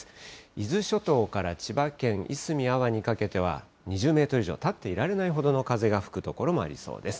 伊豆諸島から千葉県いすみ、安房にかけては２０メートル以上、立っていられないほどの風が吹く所もありそうです。